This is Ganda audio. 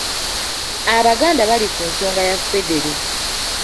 Abaganda bali ku nsonga ya Federo.